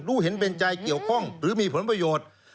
รู้เห็นเป็นใจเกี่ยวข้องหรือมีผลประโยชน์